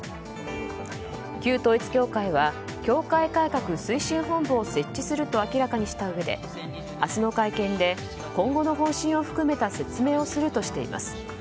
旧統一教会は教会改革推進本部を設置すると明らかにしたうえで明日の会見で、今後の方針を含めた説明をするとしています。